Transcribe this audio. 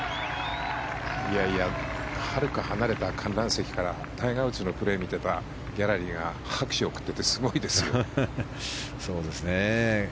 はるか離れた観覧席からタイガー・ウッズのプレーを見てたギャラリーが拍手を送っていてすごいですね。